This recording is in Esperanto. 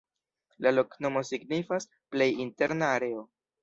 La loknomo signifas: "plej interna areo".